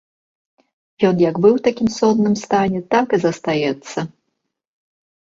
Ён як быў у такім сонным стане, так і застаецца.